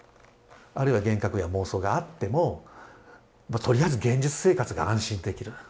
あるいは幻覚や妄想があってもとりあえず現実生活が安心できる。